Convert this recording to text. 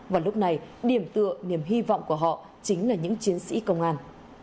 và lúc này điểm tựa niềm hy vọng của họ chính là những chiến sĩ công an